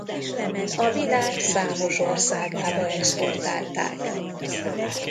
A világ számos országába exportálták.